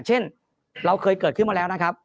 เช่นเราเคยเกิดขึ้นมาแล้วนะครับ